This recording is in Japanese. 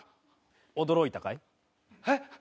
驚いたかい？